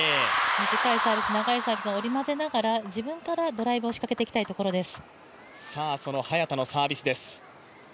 短いサービス、長いサービスを織り交ぜながら自分からドライブを仕掛けていきたいところです。